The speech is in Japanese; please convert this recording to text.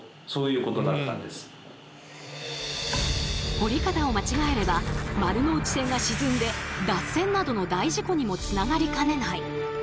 掘り方を間違えれば丸ノ内線が沈んで脱線などの大事故にもつながりかねない。